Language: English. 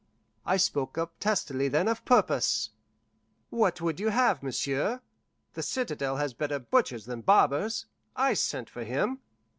I spoke up testily then of purpose: "What would you have, monsieur? The citadel has better butchers than barbers. I sent for him."